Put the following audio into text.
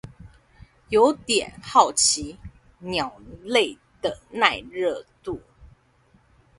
有點好奇鳥類的耐熱度